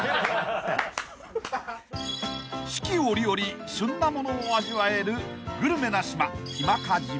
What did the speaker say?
［四季折々旬なものを味わえるグルメな島日間賀島］